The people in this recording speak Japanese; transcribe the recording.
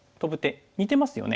似てますよね。